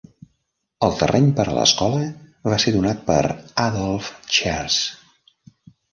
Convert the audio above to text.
El terreny per a l'escola va ser donat per Adolph Schertz.